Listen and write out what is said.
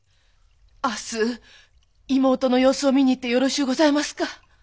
明日妹の様子を見にいってよろしゅうございますか？